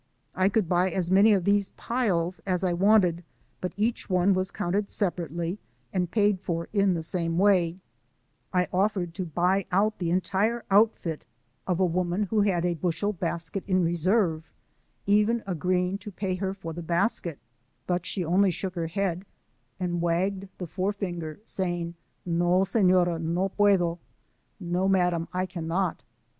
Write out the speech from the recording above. I could buy as many of these piles as I wanted, but each one was stock™™ and Hoois. counted separately, and paid for in I offered to buy out the entire outfit of a woman the same v IN MOTHER NOAH'S SHOES. 73 who had a bushel basket in reserve, even agreeing to pay her for the basket ; but she only shook her head, and wagged the forefinger, say ing, ''No, senoruy no puedo*' — ("No, madame, I cannot